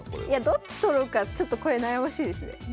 どっち取ろうかちょっとこれ悩ましいですねこれ。